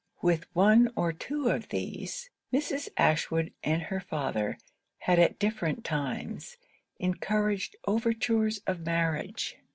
With one or two of these, Mrs. Ashwood and her father had at different times encouraged overtures of marriage.